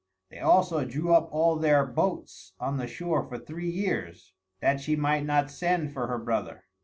They also drew up all their boats on the shore for three years, that she might not send for her brother.